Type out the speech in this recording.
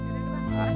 terima kasih ya